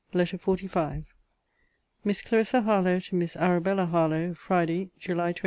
Adieu! LETTER XLV MISS CLARISSA HARLOWE, TO MISS ARABELLA HARLOWE FRIDAY, JULY 21.